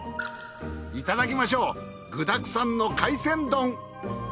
いただきましょう具だくさんの海鮮丼。